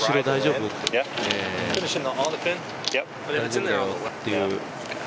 大丈夫だよーっていう。